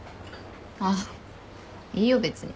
あっいいよ別に。